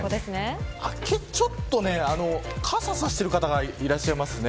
ちょっと、傘差している方がいらっしゃいますね。